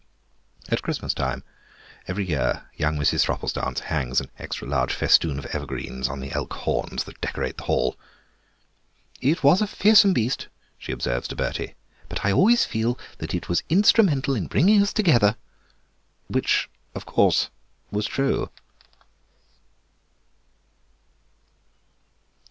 At Christmas time every year young Mrs. Thropplestance hangs an extra large festoon of evergreens on the elk horns that decorate the hall. "It was a fearsome beast," she observes to Bertie, "but I always feel that it was instrumental in bringing us together." Which, of course, was true.